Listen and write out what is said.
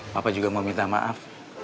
papa juga mau minta maaf